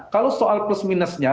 kalau soal plus minusnya